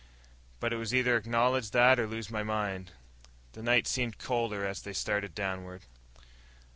But it was either acknowledge that or lose my mind." The night seemed colder as they started downward.